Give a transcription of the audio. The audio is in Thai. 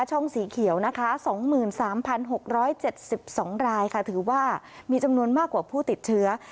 ช่องสีเขียวนะคะ๒๓๖๗๒รายค่ะถือว่ามีจำนวนมากกว่าผู้ติดเชื้อ